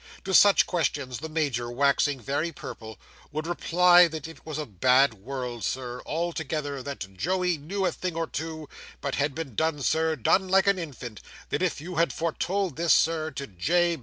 To such questions, the Major, waxing very purple, would reply that it was a bad world, Sir, altogether; that Joey knew a thing or two, but had been done, Sir, done like an infant; that if you had foretold this, Sir, to J.